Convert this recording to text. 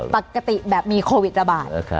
ปกติแบบมีโควิดระบาด